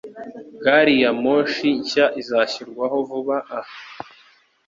Gari ya moshi nshya izashyirwaho vuba aha.